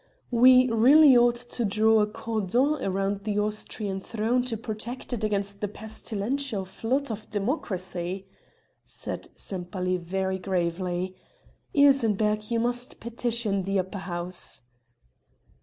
"We really ought to draw a cordon round the Austrian throne to protect it against the pestilential flood of democracy," said Sempaly very gravely. "Ilsenbergh you must petition the upper house."